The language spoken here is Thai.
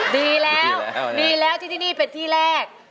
ดีแล้วดีแล้วที่ที่นี่เป็นที่แรก